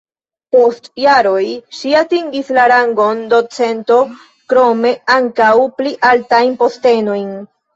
Post jaroj ŝi atingis la rangon docento krome ankaŭ pli altajn postenojn.